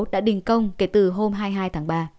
đã đình công kể từ hôm hai mươi hai tháng ba